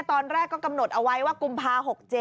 ตอนแรกก็กำหนดเอาไว้ว่ากุมภา๖๗